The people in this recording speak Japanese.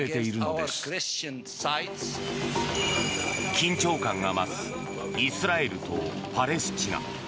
緊張感が増すイスラエルとパレスチナ。